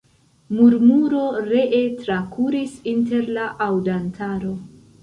Murmuro ree trakuris inter la aŭdantaro.